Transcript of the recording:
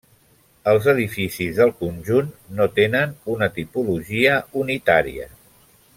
Els edificis del conjunt no tenen una tipologia unitària.